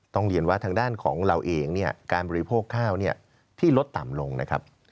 เรียนว่าทางด้านของเราเองเนี่ยการบริโภคข้าวที่ลดต่ำลงนะครับ